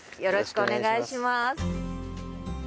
よろしくお願いします。